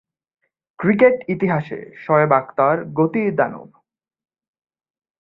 লিচেস্টারশায়ারের পক্ষে দুইবার চ্যাম্পিয়নশীপ বিজয়ে ভূমিকা রাখেন।